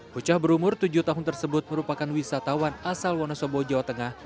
bocah berumur tujuh tahun tersebut merupakan wisatawan asal wonosobo jawa tengah